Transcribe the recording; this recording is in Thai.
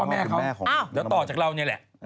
เดี๋ยวต้องลอกจากเราแนี่ยแหละ